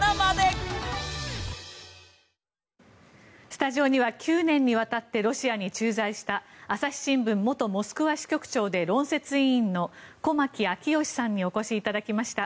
スタジオには９年にわたってロシアに駐在した朝日新聞元モスクワ支局長で論説委員の駒木明義さんにお越しいただきました。